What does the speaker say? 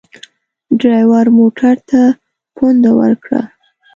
ډریور موټر ته پونده ورکړه.